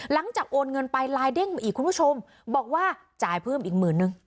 โอนเงินไปลายเด้งมาอีกคุณผู้ชมบอกว่าจ่ายเพิ่มอีกหมื่นนึง